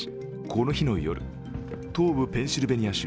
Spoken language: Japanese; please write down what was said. この日の夜、東部ペンシルベニア州